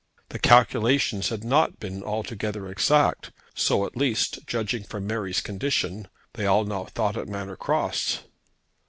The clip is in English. The calculations had not been altogether exact. So at least, judging from Mary's condition, they all now thought at Manor Cross.